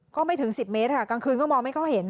ก็ไม่ถึง๑๐เมตรค่ะกลางคืนก็มองไม่ค่อยเห็น